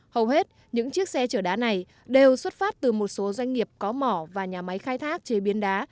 hầu hết những chiếc xe chở đá này đều xuất phát từ một số doanh nghiệp có mỏ và nhà máy khai thác chế biến đá